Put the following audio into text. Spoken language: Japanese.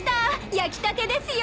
焼きたてですよ！